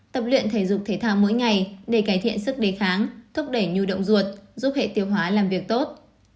tập luyện thể dục thể thao mỗi ngày để cải thiện sức đề kháng thúc đẩy nhu động ruột giúp hệ tiêu hóa làm việc tốt